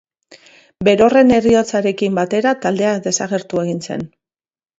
Berorren heriotzarekin batera taldea desagertu egin zen.